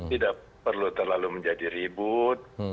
tidak perlu terlalu menjadi ribut